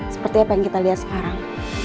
seperti apa yang kita lihat sekarang